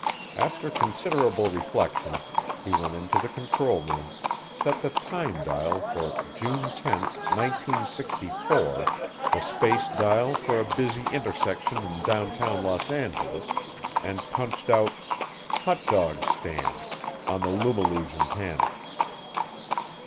After considerable reflection, he went into the control room, set the time dial for June 10, 1964, the space dial for a busy intersection in downtown Los Angeles, and punched out H O T D O G S T A N D on the lumillusion panel.